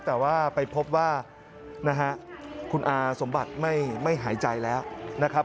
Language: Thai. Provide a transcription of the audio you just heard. แต่ว่าไปพบว่านะฮะคุณอาสมบัติไม่หายใจแล้วนะครับ